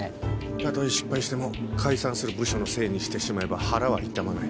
たとえ失敗しても解散する部署のせいにしてしまえば腹は痛まない。